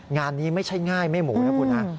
งานนี้ไม่ใช่ง่ายไม่หมูนะคุณฮะ